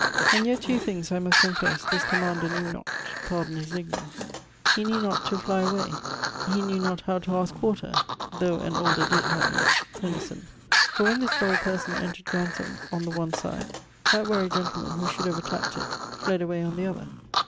'And yet two things (I must confess) this commander knew not, pardon his ignorance, he knew not to flie away he knew not how to aske quarter though an older did, I meane ... Henderson; for when this bold person entred Grantham on the one side, that wary gentleman, who should have attaqued it, fled away on the other.